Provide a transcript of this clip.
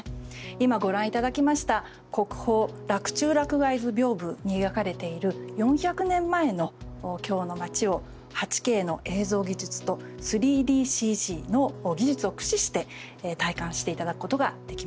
今、ご覧いただきました国宝「洛中洛外図屏風」に描かれている４００年前の京の街を８Ｋの映像技術と３ＤＣＧ技術を駆使して体感していただくことができます。